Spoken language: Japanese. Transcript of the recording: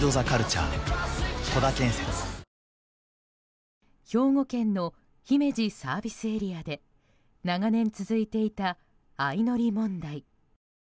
わぁ兵庫県の姫路ＳＡで長年続いていた相乗り問題。